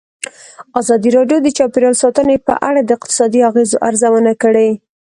ازادي راډیو د چاپیریال ساتنه په اړه د اقتصادي اغېزو ارزونه کړې.